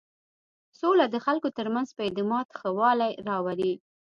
سوله د خلکو تر منځ په اعتماد کې ښه والی راولي.